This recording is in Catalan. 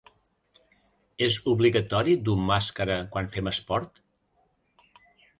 És obligatori dur màscara quan fem esport?